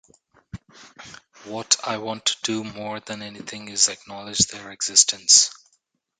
What I want to do more than anything is acknowledge their existence.